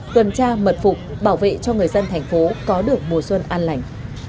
tuần tra mật phục bảo vệ cho người dân thành phố có được mùa xuân an lành